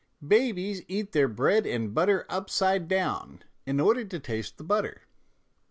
" Babies eat their bread and butter upside down, in order to taste the butter."